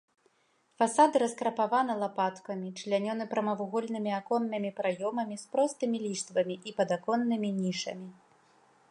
Фасады раскрапаваны лапаткамі, члянёны прамавугольнымі аконнымі праёмамі з простымі ліштвамі і падаконнымі нішамі.